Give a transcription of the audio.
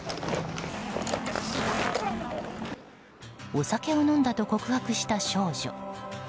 お酒を飲んだと告白した少女。